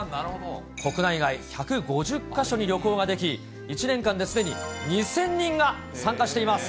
国内外１５０か所に旅行ができ、１年間ですでに２０００人が参加しています。